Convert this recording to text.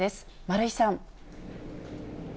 丸井さん。